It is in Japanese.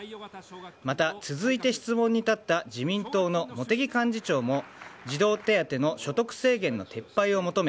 また続いて質問に立った自民党の茂木幹事長も児童手当の所得制限の撤廃を求め